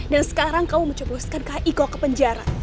dan sekarang kamu mencoboskan kak iko ke penjara